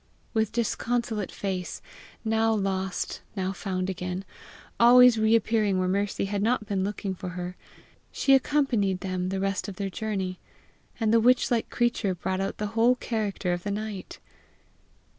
With disconsolate face, now lost, now found again, always reappearing where Mercy had not been looking for her, she accompanied them the rest of their journey, and the witch like creature brought out the whole character of the night.